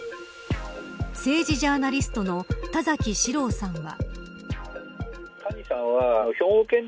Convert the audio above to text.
政治ジャーナリストの田崎史郎さんは。